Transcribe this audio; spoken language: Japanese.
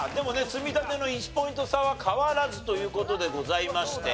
積み立ての１ポイント差は変わらずという事でございまして。